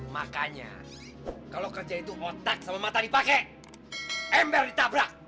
makanya kalau kerja itu otak sama mata dipakai embel ditabrak